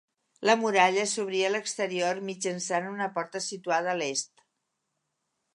La muralla s'obria a l'exterior mitjançant una porta situada a l'est.